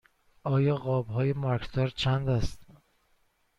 این قاب های مارکدار چند است؟